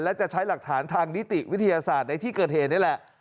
และจะใช้หลักฐานทางนิติวิทยาศาสตร์ในที่เกิดเหตุนี่แหละ